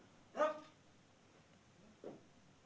laluan kiri maju